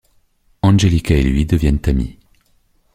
Angélica et lui deviennent amis.